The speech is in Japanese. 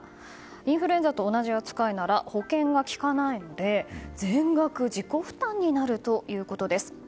インフルエンザと同じ扱いなら保険がきかないので全額自己負担になるということです。